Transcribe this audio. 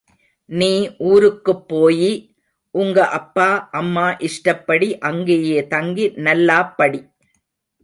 நீ ஊருக்குப் போயி உங்க அப்பா அம்மா இஷ்டப்படி அங்கேயே தங்கி நல்லாப் படி.